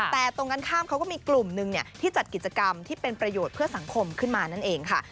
แต่ตรงกันข้ามเขาก็มีกลุ่มหนึ่งที่จัดกิจกรรมที่เป็นประโยชน์เพื่อสังคมขึ้นมานั่นเองค่ะ